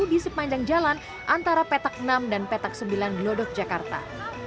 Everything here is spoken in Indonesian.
di sepanjang jalan antara petak enam dan petak sembilan glodok jakarta